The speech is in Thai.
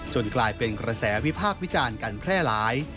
กลายเป็นกระแสวิพากษ์วิจารณ์กันแพร่หลาย